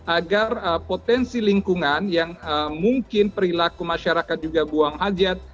agar potensi lingkungan yang mungkin perilaku masyarakat juga buang hajat